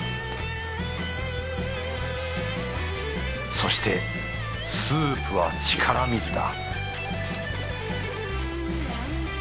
そしてスープは力水だ